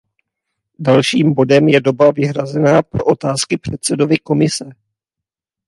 Dalším bodem je doba vyhrazená pro otázky předsedovi Komise.